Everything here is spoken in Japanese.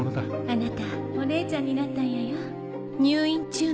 あなたお姉ちゃんになったんやよ。